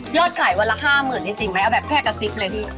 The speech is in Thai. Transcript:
เลือดไขวันละให้๕๐๐๐๐จริงไหมเอาแบบแค่กระซิบเลย